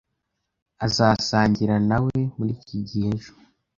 Azasangira nawe muri iki gihe ejo.